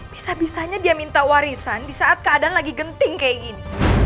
bisa bisanya dia minta warisan di saat keadaan lagi genting kayak gini